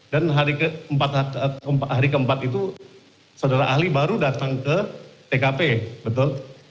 dan hari keempat itu saudara ahli baru datang ke tkp betul